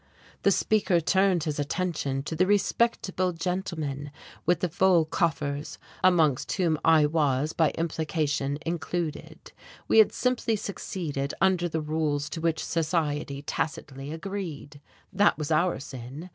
The speaker turned his attention to the "respectable gentlemen" with the full coffers, amongst whom I was by implication included. We had simply succeeded under the rules to which society tacitly agreed. That was our sin.